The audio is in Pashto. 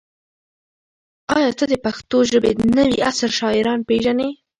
ایا ته د پښتو ژبې د نوي عصر شاعران پېژنې؟